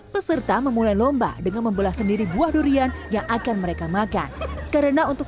peserta memulai lomba dengan membelah sendiri buah durian yang akan mereka makan karena untuk